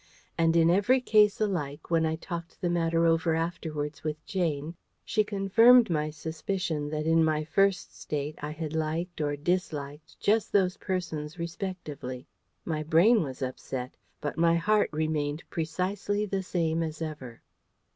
And in every case alike, when I talked the matter over afterwards with Jane, she confirmed my suspicion that in my First State I had liked or disliked just those persons respectively. My brain was upset, but my heart remained precisely the same as ever.